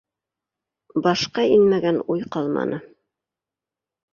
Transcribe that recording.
Башҡа инмәгән уй ҡалманы.